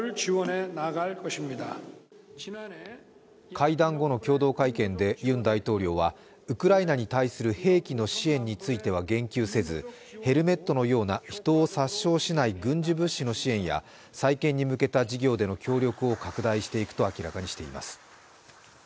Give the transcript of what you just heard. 会談後の共同会見でユン大統領はウクライナに対する兵器の支援については言及せずヘルメットのような人を殺傷しない、軍事物資の支援や再建に向けた事業での協力を拡大していくと明らかにしています。